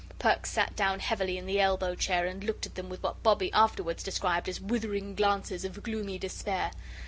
Perks sat down heavily in the elbow chair and looked at them with what Bobbie afterwards described as withering glances of gloomy despair.